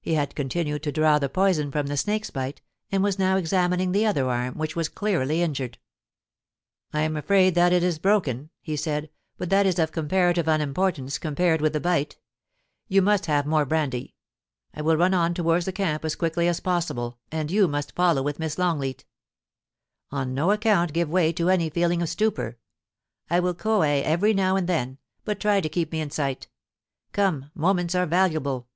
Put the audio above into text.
He had continued to draw the poison from the snake's bite, and was now examining the other arm, which was clearly injured. * I am afraid that it is broken,' he said ;* but that is of comparative unimportance, compared with the bite. You must have more brandy. I will run on towards the camp as quickly as possible, and you must follow with Miss Long leaL On no account give way to any feeling of stupor. I will coo ee every now and then ; but try to keep me in sight Come — moments are valuable.'